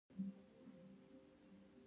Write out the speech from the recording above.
افغانستان کې بامیان د خلکو د خوښې وړ ځای دی.